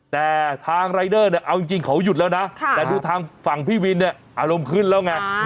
แต่ทางรายเดอร์เนี่ยเอาจริงเขาหยุดแล้วนะแต่ดูทางฝั่งพี่วินเนี่ยอารมณ์ขึ้นแล้วไง